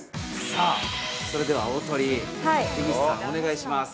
◆さあ、それでは大トリ樋口さん、お願いします。